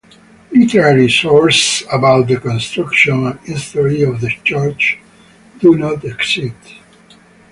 Literary sources about the construction and history of the church do not exist.